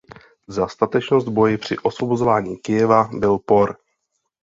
Za statečnost v boji při osvobozování Kyjeva byl por.